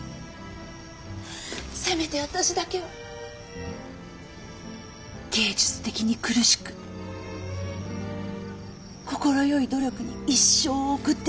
せめて私だけは芸術的に苦しく快い努力に一生を送って死にたい。